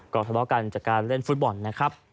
ก็ทะเลาะกันจากการเล่นฟุตบอลนะครับ